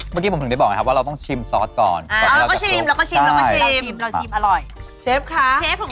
เมื่อกี้ผมถึงได้บอกไงครับว่าเราต้องชิมซอสก่อน